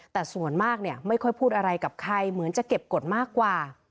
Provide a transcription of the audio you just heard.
แต่ส่วนมากไม่ค่อยพูดอะไรกับใครเหมือนจะเก็บกฎมากกว่า